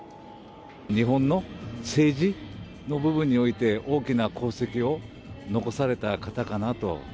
日本の政治の部分において、大きな功績を残された方かなと。